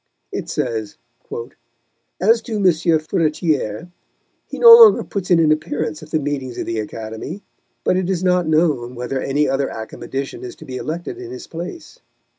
It says: "As to Monsieur Furetière, he no longer puts in an appearance at the meetings of the Academy, but it is not known whether any other Academician is to be elected in his place."